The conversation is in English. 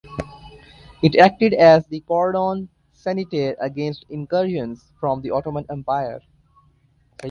It acted as the "cordon sanitaire" against incursions from the Ottoman Empire.